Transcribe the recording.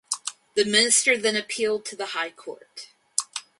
The Minister then appealed to the High Court.